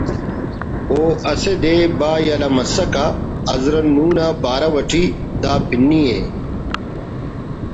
و اسہ دے با یلہ مسکہ حضرت نوح ؑ نا بارو اٹی دا پنی ءِ